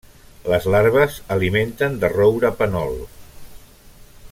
Les larves alimenten de roure pènol.